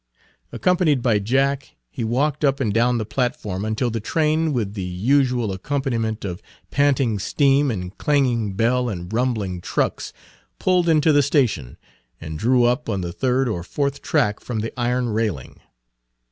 Accompanied by Jack he walked up and down the platform until the train, with the usual accompaniment of panting steam and clanging bell and rumbling trucks, pulled into the station, and drew up on the third or fourth track from the iron railing.